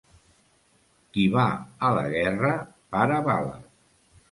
Qui va a la guerra, para bales.